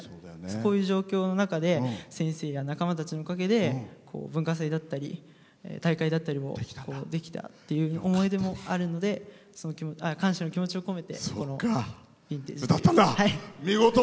こういう状況の中で先生や仲間たちのおかげで文化祭だったり大会だったりもできたっていう思い出もあるので感謝の気持ちを込めて、この歌を。